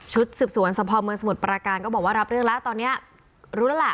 สืบสวนสภาพเมืองสมุทรปราการก็บอกว่ารับเรื่องแล้วตอนนี้รู้แล้วล่ะ